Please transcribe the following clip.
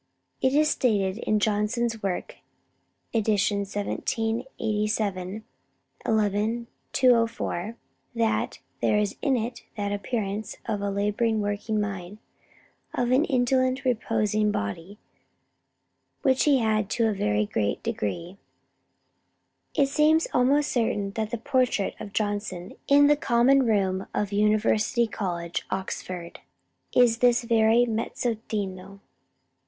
180), it is stated in Johnson's Work, ed. 1787, xi. 204, that 'there is in it that appearance of a labouring working mind, of an indolent reposing body, which he had to a very great degree.' [H 4] It seems almost certain that the portrait of Johnson in the Common Room of University College, Oxford, is this very mezzotinto.